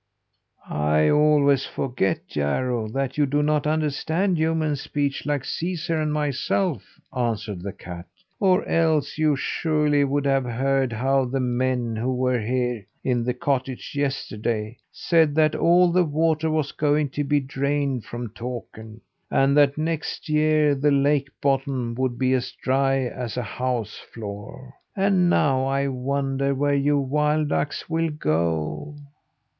"I always forget, Jarro, that you do not understand human speech, like Caesar and myself," answered the cat. "Or else you surely would have heard how the men, who were here in the cottage yesterday, said that all the water was going to be drained from Takern, and that next year the lake bottom would be as dry as a house floor. And now I wonder where you wild ducks will go."